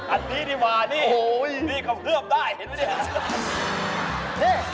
อันนี้ดีมาในคำเรื่องได้เห็นไหม